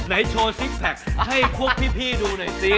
โชว์ซิกแพคให้พวกพี่ดูหน่อยซิ